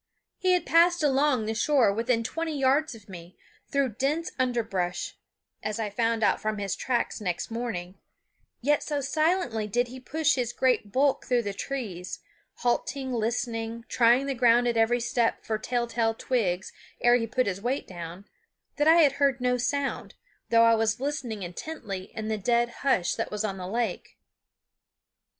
He had passed along the shore within twenty yards of me, through dense underbrush, as I found out from his tracks next morning, yet so silently did he push his great bulk through the trees, halting, listening, trying the ground at every step for telltale twigs ere he put his weight down, that I had heard no sound, though I was listening intently in the dead hush that was on the lake.